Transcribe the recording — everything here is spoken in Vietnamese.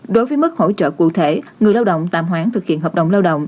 đối với mức hỗ trợ cụ thể người lao động tạm hoãn thực hiện hợp đồng lao động